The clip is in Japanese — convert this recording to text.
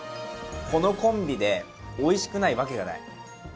このコンビでおいしくないわけがない。